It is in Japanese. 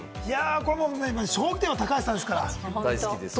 将棋は高橋さんですから。